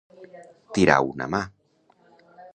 Tirar una mà.